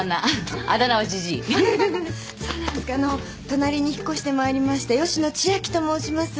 隣に引っ越してまいりました吉野千明と申します。